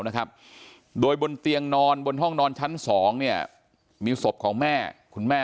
นะครับโดยบนเตียงนอนบนห้องนอนชั้นสองเนี่ยมีศพของแม่คุณแม่